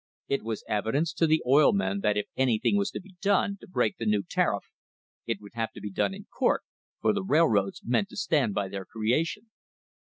It was evidence to the oil men that if anything was to be done to break the new tariff it would have to be done in court, for the railroads meant to stand by their creation.